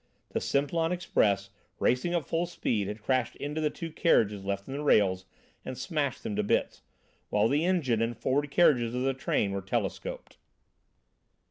The Simplon express, racing at full speed, had crashed into the two carriages left on the rails and smashed them to bits, while the engine and forward carriages of the train were telescoped.